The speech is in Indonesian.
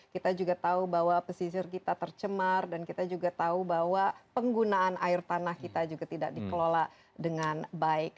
kita juga tahu bahwa pesisir kita tercemar dan kita juga tahu bahwa penggunaan air tanah kita juga tidak dikelola dengan baik